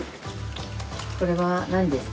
これはなんですか？